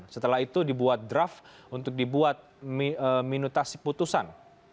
setelah itu dibuat draft untuk dibuat minutasi putusan